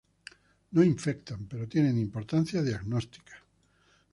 No infectan pero tienen importancia diagnóstica.